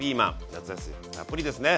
夏野菜たっぷりですね。